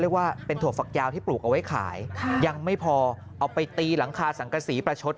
ว่าเป็นถั่วฝักยาวที่ปลูกเอาไว้ขายยังไม่พอเอาไปตีหลังคาสังกษีประชด